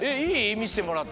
みしてもらって。